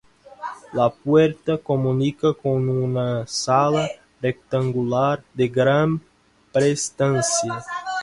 La puerta comunica con una sala rectangular de gran prestancia.